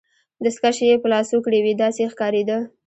دستکشې يې په لاسو کړي وې، داسې یې ښکاریده.